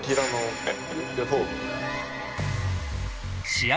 試合